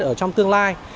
ở trong trường cấp ba